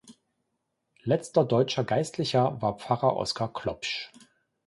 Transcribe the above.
Letzter deutscher Geistlicher war Pfarrer Oskar Klopsch.